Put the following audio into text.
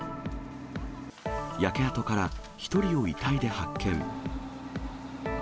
焼け跡から１人を遺体で発見。